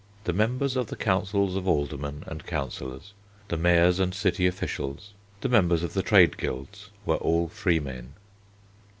The members of the councils of aldermen and councillors, the mayors and city officials, the members of the trade guilds, were all freemen.